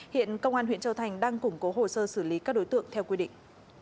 hiện công an huyện châu thành đang củng cố hồ sơ xử lý các đối tượng theo quy định